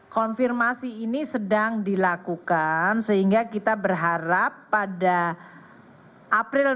konfirmasi ini sedang dilakukan sehingga kita berharap pada april dua ribu dua puluh